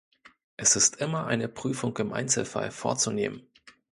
Es ist immer eine Prüfung im Einzelfall vorzunehmen.